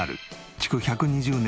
築１２０年？